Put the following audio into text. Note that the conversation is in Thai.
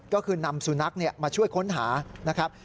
ก็คือนำสุนัขมาช่วยค้นหานะครับ